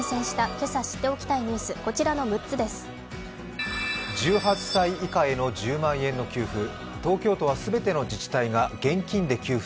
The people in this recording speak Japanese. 今朝知っておきたいニュース、１８歳以下への１０万円の給付。